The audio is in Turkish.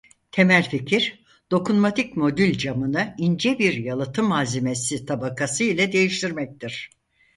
Temel fikir dokunmatik modül camını ince bir yalıtım malzemesi tabakası ile değiştirmektir.